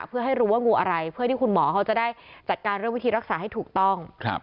เพื่อให้รู้ว่างูอะไรเพื่อที่คุณหมอเขาจะได้จัดการเรื่องวิธีรักษาให้ถูกต้อง